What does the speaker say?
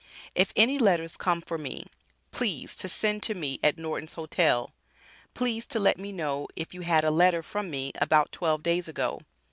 If any letters come for me please to send to me at Nortons Hotel, Please to let me know if you had a letter from me about 12 days ago.